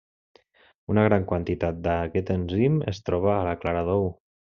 Una gran quantitat d'aquest enzim es troba en la clara d'ou.